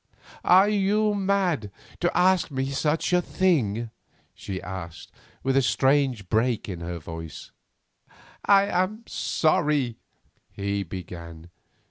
"Are you mad to ask me such a thing?" she asked, with a strange break in her voice. "I am sorry," he began.